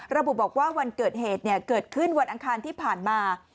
ระบุบอกว่าวันเกิดเหตุเกิดขึ้นวันอังคารที่ผ่านมา